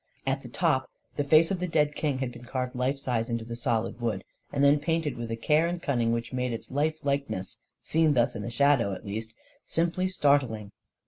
At the top, the face of the dead king had been carved life size in the solid wood, and then painted with a care and cunning which made its life likeness, seen thus in the shadow, at least, simply startling.